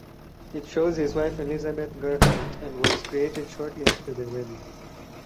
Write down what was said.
It shows his wife Elisabeth Gerhardt and was created shortly after their wedding.